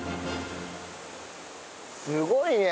すごいね！